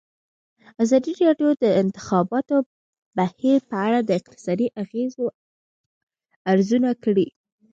ازادي راډیو د د انتخاباتو بهیر په اړه د اقتصادي اغېزو ارزونه کړې.